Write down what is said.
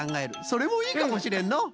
それもいいかもしれんのう。